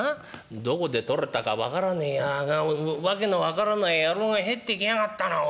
どこで取れたか分からねえ訳の分からない野郎が入ってきやがったなおい。